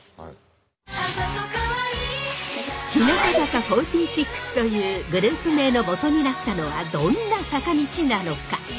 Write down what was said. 「アザトカワイイ」日向坂４６というグループ名のもとになったのはどんな坂道なのか？